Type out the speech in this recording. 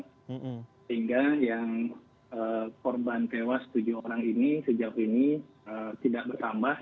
sehingga yang korban tewas tujuh orang ini sejauh ini tidak bertambah